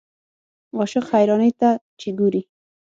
عاشق حیرانۍ ته چې ګورې.